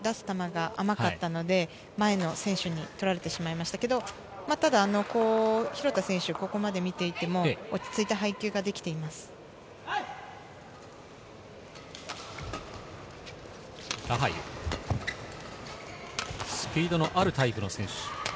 出す球が甘かったので前の選手に取られてしまいましたが廣田選手、ここまで見ていても落ち着ラハユ、スピードのあるタイプの選手。